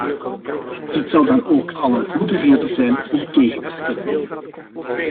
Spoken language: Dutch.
Dit zou dan ook al een goede reden zijn om tegen te stemmen.